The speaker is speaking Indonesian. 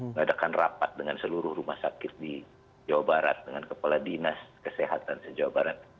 mengadakan rapat dengan seluruh rumah sakit di jawa barat dengan kepala dinas kesehatan jawa barat